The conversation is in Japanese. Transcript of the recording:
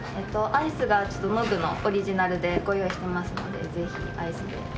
アイスがノグのオリジナルでご用意してますのでぜひアイスで。